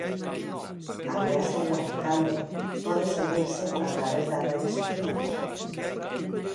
A viaxe de Alejandro pode seguirse a través das redes sociais.